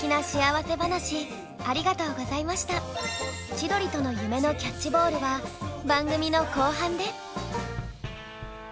千鳥との夢のキャッチボールは番組の後半で！